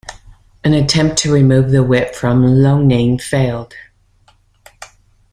An attempt to remove the whip from Loughnane failed.